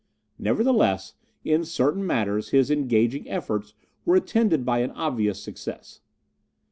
Nevertheless, in certain matters his engaging efforts were attended by an obvious success.